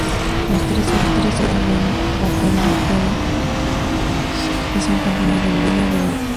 Los tres últimos días del batería fueron una sesión continua de bebida.